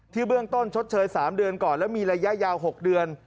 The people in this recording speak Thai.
เบื้องต้นชดเชย๓เดือนก่อนแล้วมีระยะยาว๖เดือน